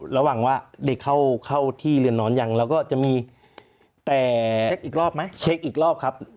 ระหว่างว่าเด็กเข้าที่เรือนนอนยังเราก็จะมีแต่เช็คอีกรอบไหมเช็คอีกรอบครับ